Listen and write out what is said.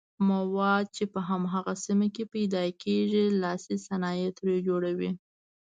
مواد چې په هماغه سیمه کې پیداکیږي لاسي صنایع ترې جوړوي.